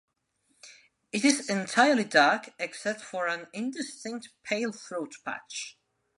It is entirely dark except for an indistinct pale throat patch.